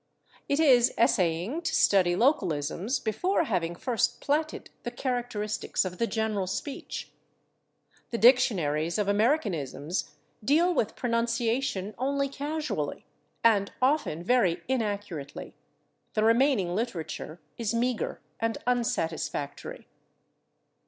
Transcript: It is essaying to study localisms before having first platted the characteristics of the general speech. The dictionaries of Americanisms deal with pronunciation only casually, and often very inaccurately; the remaining literature is meagre and unsatisfactory.